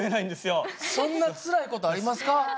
そんなつらい事ありますか？